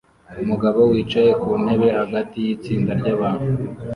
Umugabo wicaye ku ntebe hagati yitsinda ryabantu